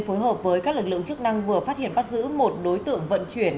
phối hợp với các lực lượng chức năng vừa phát hiện bắt giữ một đối tượng vận chuyển